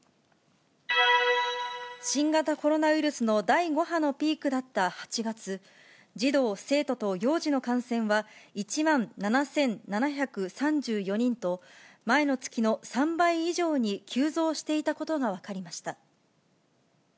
新型コロナウイルスの第５波のピークだった８月、児童、生徒と幼児の感染は、１万７７３４人と、前の月の３倍以上に急増していたことが分かりました。